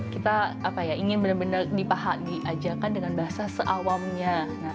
kita ingin benar benar dipahagi ajakan dengan bahasa seawamnya